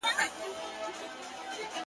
اې د قوتي زلفو مېرمني در نه ځمه سهار.